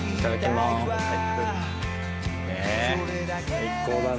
最高だね。